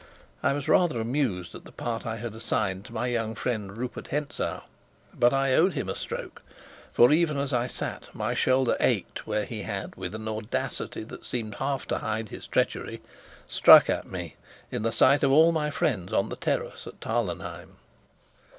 I was rather amused at the part I had assigned to my young friend Rupert Hentzau; but I owed him a stroke for, even as I sat, my shoulder ached where he had, with an audacity that seemed half to hide his treachery, struck at me, in the sight of all my friends, on the terrace at Tarlenheim.